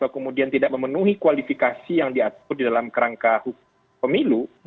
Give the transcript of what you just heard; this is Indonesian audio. kualifikasi yang diatur di dalam kerangka pemilu